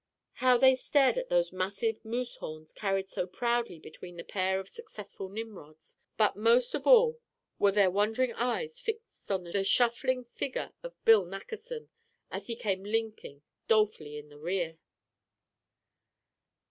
How they stared at those massive moose horns carried so proudly between the pair of successful Nimrods; but most of all were their wondering eyes fixed on the shuffling figure of Bill Nackerson, as he came limping dolefully in the rear!